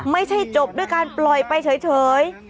ไม่ใช่จบด้วยการปล่อยไปเฉย